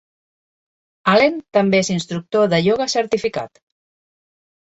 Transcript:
Allen també és instructor de ioga certificat.